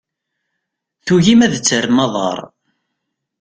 Tugim ad terrem aḍar.